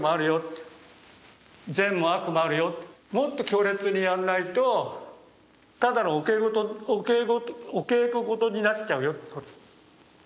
もっと強烈にやんないとただのお稽古事になっちゃうよってこと。